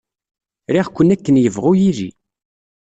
Riɣ-ken akken yebɣu yili.